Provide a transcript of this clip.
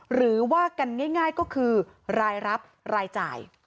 หรือว่ากันง่ายก็คือรายรับรายจ่าย